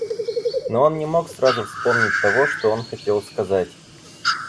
Но он не мог сразу вспомнить того, что он хотел сказать.